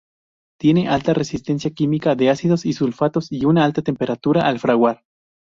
Tiene alta resistencia química, de ácidos y sulfatos, y una alta temperatura al fraguar.